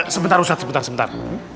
sebentar ustadz sebentar sebentar